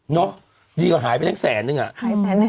เนาะดีกว่าหายไปแสนนึงอะ